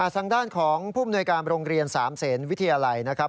ทางด้านของผู้มนวยการโรงเรียน๓เซนวิทยาลัยนะครับ